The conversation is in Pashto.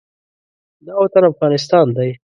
دا وطن افغانستان دی.